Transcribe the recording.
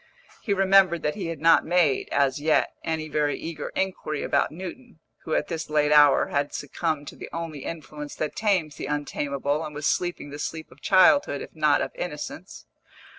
He remembered that he had not made, as yet, any very eager inquiry about Newton, who at this late hour had succumbed to the only influence that tames the untamable and was sleeping the sleep of childhood, if not of innocence.